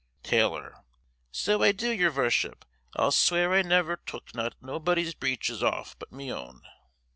Tailor: So I do, yer vorship; I'll swear I never tuck not nobody's breeches off but me own.